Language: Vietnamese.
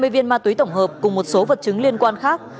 hai mươi viên ma túy tổng hợp cùng một số vật chứng liên quan khác